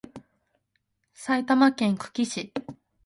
埼玉県久喜市